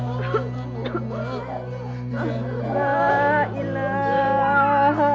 jangan menyusahkan elah